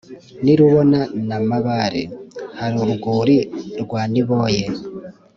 n’i rubona na mabare) hari urwuri rwa niboye